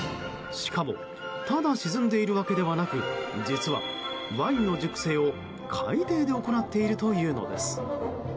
しかもただ沈んでいるわけではなく実はワインの熟成を海底で行っているというのです。